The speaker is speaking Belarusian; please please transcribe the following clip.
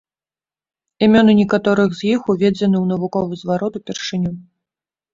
Імёны некаторых з іх уведзены ў навуковы зварот упершыню.